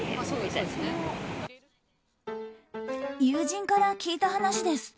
友人から聞いた話です。